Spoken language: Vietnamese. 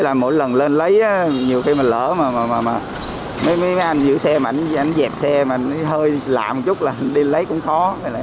mấy lần lên lấy nhiều khi mà lỡ mà mấy anh giữ xe mà anh dẹp xe mà hơi lạ một chút là đi lấy cũng khó